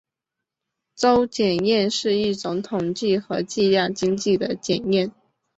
邹检验是一种统计和计量经济的检验。